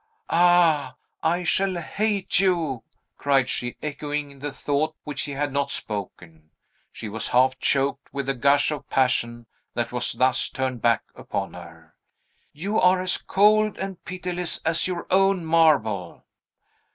"Ah, I shall hate you!" cried she, echoing the thought which he had not spoken; she was half choked with the gush of passion that was thus turned back upon her. "You are as cold and pitiless as your own marble."